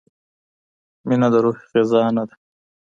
مینه د روح غذا نه ده.